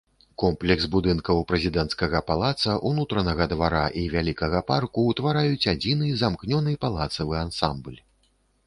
Комплекс будынкаў прэзідэнцкага палаца, унутранага двара і вялікага парку ўтвараюць адзіны замкнёны палацавы ансамбль.